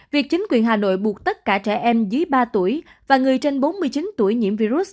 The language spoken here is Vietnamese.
việc chính quyền hà nội buộc tất cả trẻ em dưới ba tuổi và người trên bốn mươi chín tuổi nhiễm virus